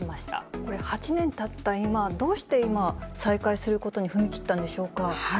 これ、８年たった今、どうして今、再開することに踏み切ったんでしょうか。